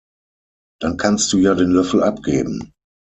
Dann kannst du ja den Löffel abgeben.